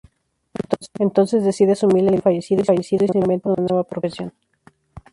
Entonces, decide asumir la identidad del fallecido y se inventa una nueva profesión.